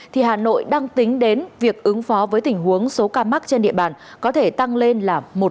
thì hà nội đang tính đến việc ứng phó với tình huống số ca mắc trên địa bàn có thể tăng lên là một trăm linh người